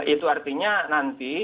itu artinya nanti